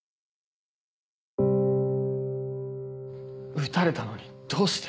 撃たれたのにどうして？